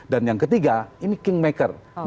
dan yang ketiga ini kingmaker